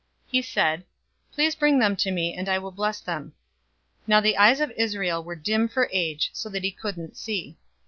He said, "Please bring them to me, and I will bless them." 048:010 Now the eyes of Israel were dim for age, so that he couldn't see.